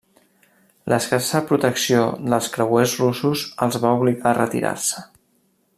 L'escassa protecció dels creuers russos els va obligar a retirar-se.